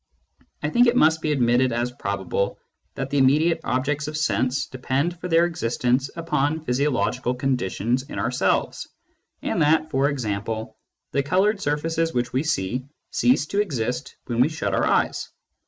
I think it must be admitted as probable that the immediate objects of sense depend for their existence upon physiological conditions in ourselves, and that, for example, the coloured surfaces which we see cease to exist when we shut our eyes.